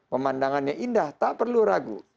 pemandangannya indah tak perlu ragu